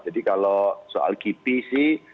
jadi kalau soal kipi sih